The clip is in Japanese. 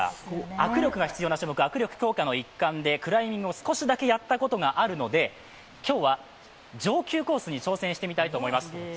握力が必要な種目、握力強化の一環でクライミング少しだけやったことがあるので今日は上級コースに挑戦してみたいと思います